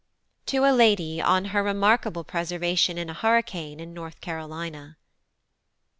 To a LADY on her remarkable Preservation in an Hurricane in North Carolina.